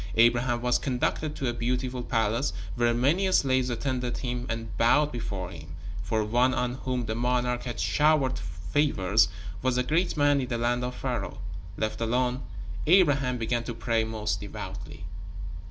Abraham was conducted to a beautiful palace, where many slaves attended him and bowed before him, for one on whom the monarch had showered favors was a great man in the land of Pharaoh. Left alone, Abraham began to pray most devoutly.